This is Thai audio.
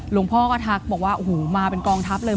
หลวงพ่อก็ทักบอกว่าโอ้โหมาเป็นกองทัพเลย